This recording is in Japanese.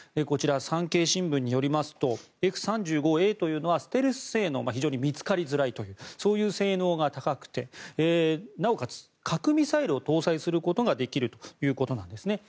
こちら、産経新聞によりますとＦ３５Ａというのはステルス性能非常に見つかりづらいという性能が高くてなおかつ、核ミサイルを搭載することができるということです。